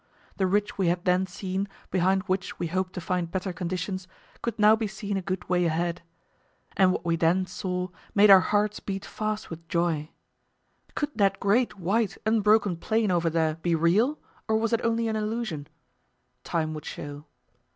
The ridge we had then seen, behind which we hoped to find better conditions, could now be seen a good way ahead. And what we then saw made our hearts beat fast with joy. Could that great white, unbroken plain over there be real, or was it only an illusion? Time would show.